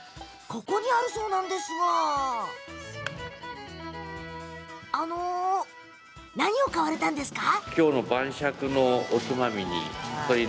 ここにあると言われたんですが何を買われたんですか？